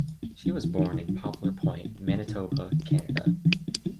She was born in Poplar Point, Manitoba, Canada.